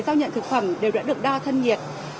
giao nhận thực phẩm đều đã được đo thân nhiệt